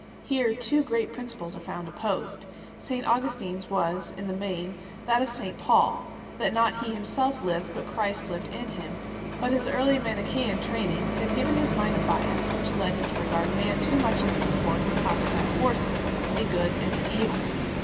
Here two great principles are found opposed. St Augustin s was, in the main, that of St Paul, that not he himself lived, but Christ lived in him; but his early Manichsean training had given his mind a bias which led him to regard man too much as the sport of hostile forces, a good and an evil.